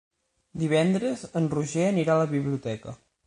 Divendres en Roger anirà a la biblioteca.